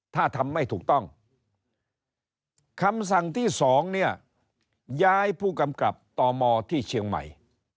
ถ้าทำไม่ถูกต้องคำสั่งที่๒เนี่ยย้ายผู้กำกับตมที่เชียงใหม่